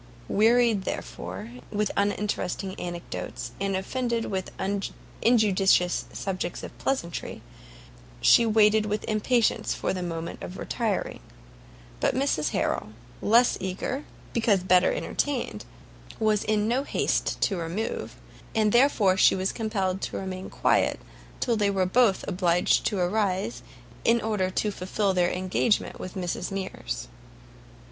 Wearied, therefore, with uninteresting anecdotes, and offended with injudicious subjects of pleasantry, she waited with impatience for the moment of retiring; but Mrs Harrel, less eager, because better entertained, was in no haste to remove, and therefore she was compelled to remain quiet, till they were both obliged to arise, in order to fulfil their engagement with Mrs Mears.